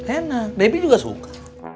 enak bebi juga suka